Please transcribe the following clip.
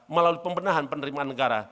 melalui pembenahan penerimaan negara